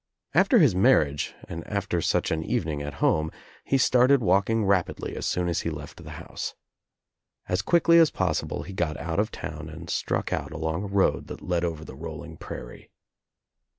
After his marriage and after such an evening at home he started walking rapidly as soon as he left the house. As quickly as possible he got out of town and struck out along a road that led over the rolling 'prairie.